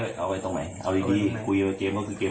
เอาไว้ตรงไหนเอาไว้ดีคุยกับเกม